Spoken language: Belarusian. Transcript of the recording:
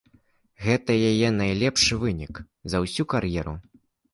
Гэта яе найлепшы вынік за ўсю кар'еру.